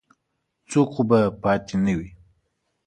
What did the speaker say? څوک خو به پاتې نه وي.